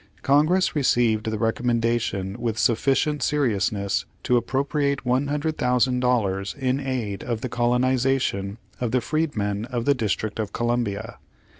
Congress received the recommendation with sufficient seriousness to appropriate $100,000 in aid of the colonization of the freedmen of the Dis trict of Columbia.